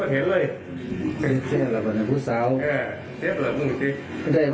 เหลาค่ะเหลาและไข่เหลาเห็นไหม